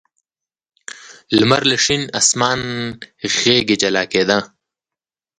لمر له شین اسمان غېږې جلا کېده.